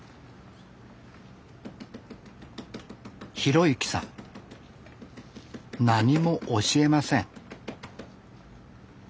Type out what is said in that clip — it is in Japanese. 浩之さん何も教えません。